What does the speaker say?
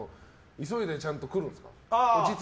急いでちゃんと来るんですか。